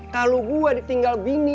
kalo gua ditinggal bini